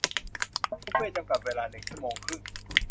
บุฟเฟ่ต์จำกัดเวลาหนึ่งชั่วโมงครึ่ง